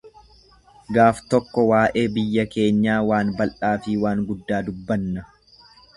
Gaaf tokko waa’ee biyya keenya waan bal'aa fi waan guddaa dubbanna.